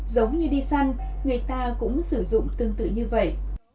giống như đi săn người ta cũng sử dụng tương tự như vậy